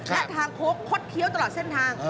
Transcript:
และทางโค้กคดเคี้ยวตลอดเส้นทาง